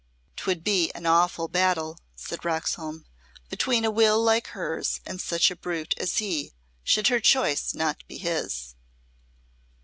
"'Twould be an awful battle," said Roxholm, "between a will like hers and such a brute as he, should her choice not be his."